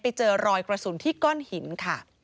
ไปเจอรอยกระสุนที่ก้อนหินค่ะ